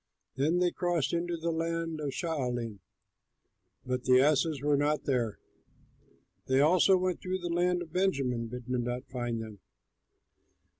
Then they crossed into the land of Shaalim, but the asses were not there. They also went through the land of Benjamin, but did not find them.